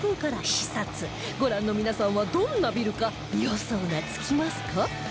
ご覧の皆さんはどんなビルか予想がつきますか？